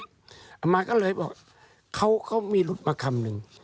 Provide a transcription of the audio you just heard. อามาก็เลยบอกเขามีรถมาคำหนึ่ง